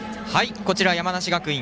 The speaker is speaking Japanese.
こちら、山梨学院。